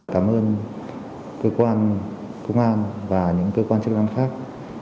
cảm ơn cơ quan công an và những cơ quan chức năng khác